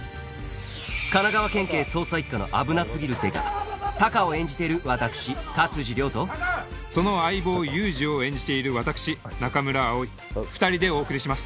神奈川県警捜査一課のあぶなすぎる刑事タカを演じている私勝地涼とその相棒ユージを演じている私中村蒼２人でお送りします